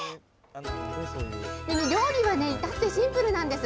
でも、料理はね、至ってシンプルなんです。